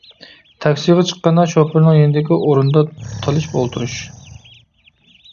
تاكسىغا چىققاندا، شوپۇرنىڭ يېنىدىكى ئورۇندا تالىشىپ ئولتۇرۇش.